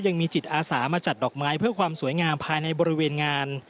ยังมีจิตอาสามาจัดดอกไม้เพื่อความสวยงามภายในบริเวณงาน